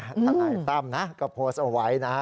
ถ้าถ่ายต่ำนะก็โพสเอาไว้นะ